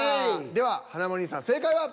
では華丸兄さん正解は？